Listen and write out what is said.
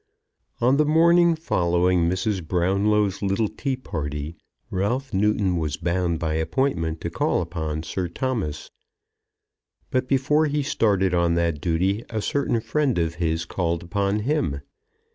On the morning following Mrs. Brownlow's little tea party Ralph Newton was bound by appointment to call upon Sir Thomas. But before he started on that duty a certain friend of his called upon him.